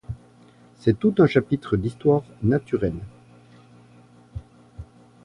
C’est tout un chapitre d’histoire naturelle…